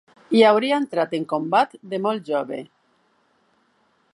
Hi hauria entrat en combat de molt jove.